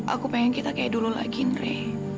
aku pengen kita kayak dulu lagi nere